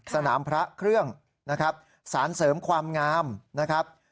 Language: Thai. สนามพระเครื่องนะครับสารเสริมความงามนะครับ